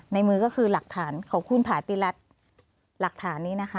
มือก็คือหลักฐานของคุณผาติรัฐหลักฐานนี้นะคะ